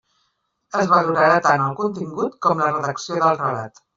Es valorarà tant el contingut com la redacció del relat.